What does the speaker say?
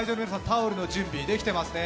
タオルの準備できてますね。